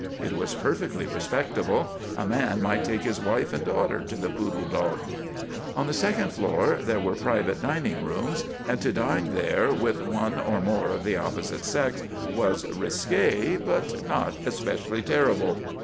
It was perfectly respectable. A man might take his wife and daughter to the Poodle Dog. On the second floor there were private dining rooms, and to dine there, with one or more of the opposite sex, was risque but not especially terrible.